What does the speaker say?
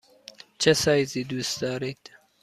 چه سایزی دوست دارید؟